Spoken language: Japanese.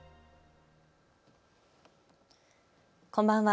こんばんは。